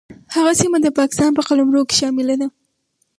هغه سیمه د پاکستان په قلمرو کې شامله ده.